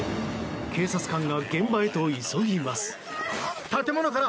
警察官が現場へと急ぎます。